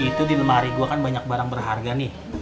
itu di lemari gue kan banyak barang berharga nih